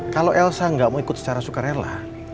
kalo elsa gak mau ikut secara sukarela